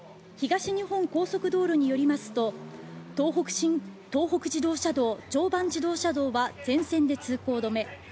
東日本高速道路によりますと東北自動車道、常磐自動車道は全線で通行止め。